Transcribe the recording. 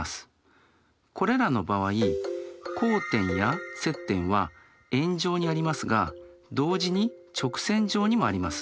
これらの場合交点や接点は円上にありますが同時に直線上にもあります。